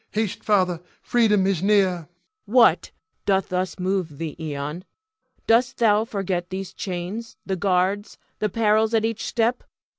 Haste, Father, freedom is near! Cleon. What doth thus move thee, Ion? Dost thou forget these chains, the guards, the perils at each step?